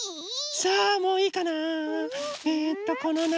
さあもういいかな。